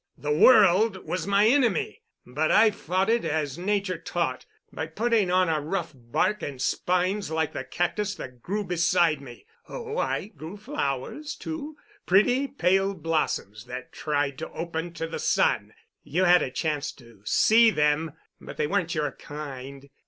The world was my enemy, but I fought it as Nature taught, by putting on a rough bark and spines like the cactus that grew beside me. Oh, I grew flowers, too, pretty pale blossoms that tried to open to the sun. You had a chance to see them—but they weren't your kind.